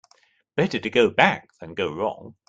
Better to go back than go wrong.